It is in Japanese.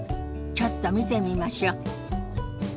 ちょっと見てみましょ。